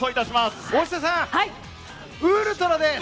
大下さんウルトラ！です。